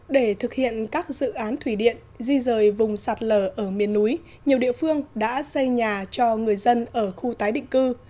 để thực hiện các dự án thủy điện di rời vùng sạt lở ở miền núi nhiều địa phương đã xây nhà cho người dân ở khu tái định cư